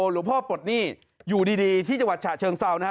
หลวงพ่อปลดหนี้อยู่ดีที่จังหวัดฉะเชิงเซานะฮะ